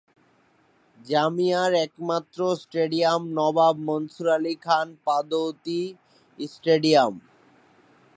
জামিয়ার একমাত্র stadium Nawab Mansur Ali Khan Pataudi stadium.